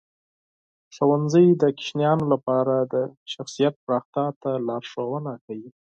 ښوونځی د ماشومانو لپاره د شخصیت پراختیا ته لارښوونه کوي.